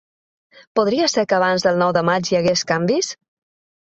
Podria ser que abans del nou de maig hi hagués canvis?